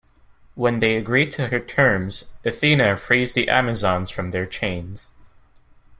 When they agree to her terms, Athena frees the Amazons from their chains.